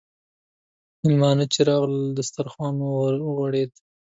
میلمانه چې راغلل، دسترخوان وغوړېد.